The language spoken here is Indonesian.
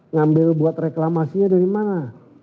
ngambil buat reklamasinya dari mana